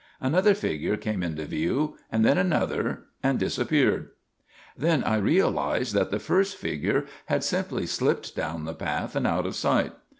Another figure came into view; and then another, and disappeared. Then I realised that the first figure had simply slipped down the path and out of sight.